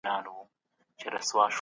سياسي بنسټونه بايد خپلمنځي همکاري ولري.